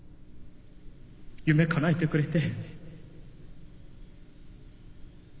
夢かなえてくれて。